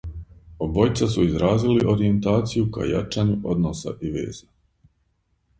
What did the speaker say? Обојица су изразили оријентацију ка јачању односа и веза.